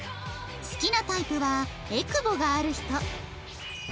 好きなタイプはエクボがある人